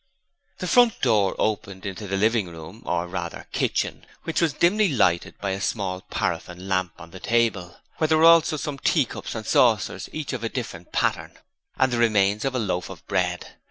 The front door opened into the living room or, rather, kitchen, which was dimly lighted by a small paraffin lamp on the table, where were also some tea cups and saucers, each of a different pattern, and the remains of a loaf of bread.